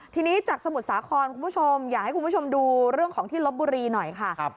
ทีนี้จากสมุทรสาครคุณผู้ชมอยากให้คุณผู้ชมดูเรื่องของที่ลบบุรีหน่อยค่ะ